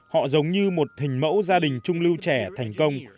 họ giống như một hình mẫu gia đình trung lưu trẻ thành công